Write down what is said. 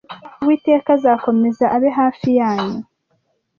Uwiteka azakomeza abe hafi yanyu